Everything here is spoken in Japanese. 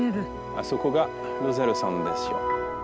あそこがロゼール山ですよ。